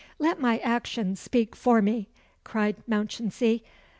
"Let my actions speak for me," cried Mounchensey.